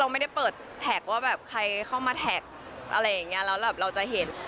ไม่ได้เปิดแท็กว่าแบบใครเข้ามาแท็กอะไรอย่างเงี้ยแล้วแบบเราจะเห็น